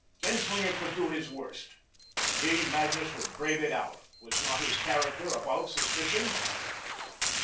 Genslinger could do his worst. He, Magnus, would brave it out. Was not his character above suspicion?